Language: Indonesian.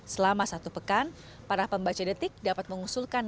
selama satu pekan para pembaca detik dapat mengusulkan